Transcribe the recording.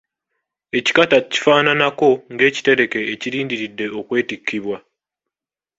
Ekikata kifaananako ng'ekitereke ekirindiridde okwetikkibwa.